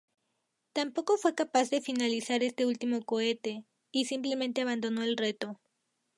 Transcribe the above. Tampoco fue capaz de finalizar este último cohete, y simplemente abandonó el reto.